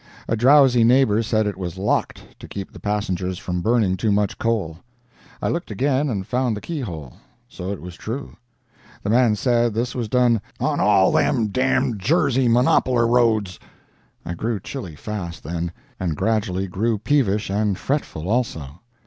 A drowsy neighbor said it was locked, to keep the passengers from burning too much coal! I looked again, and found the keyhole—so it was true. The man said this was done "on all them d——d Jersey monopoler roads." I grew chilly fast, then, and gradually grew peevish and fretful, also.